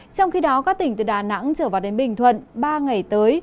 trong khi đó các tỉnh từ đà nẵng trở vào đến bình thuận ba ngày tới